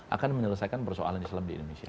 akan menyelesaikan persoalan islam di indonesia